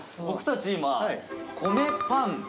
僕たち今米パン